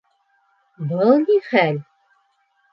Был ни хәл?!